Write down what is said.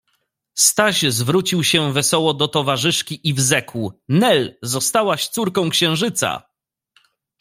Staś zwrócił się wesoło do towarzyszki i fzekł: — Nel, zostałaś córką księżyca!